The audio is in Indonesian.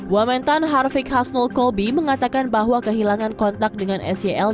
wamentan harfiq hasnul kobi mengatakan bahwa kehilangan kontak dengan sel